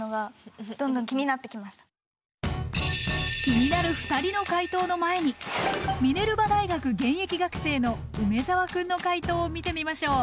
気になる２人の解答の前にミネルバ大学現役学生の梅澤くんの解答を見てみましょう。